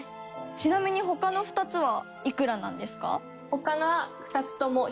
ちなみに他の２つはいくらなんですか？